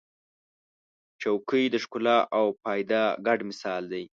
چوکۍ د ښکلا او فایده ګډ مثال دی.